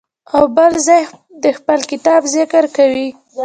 او بل ځای د خپل کتاب ذکر کوي.